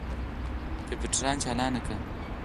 کمپیوټر چالان کړه.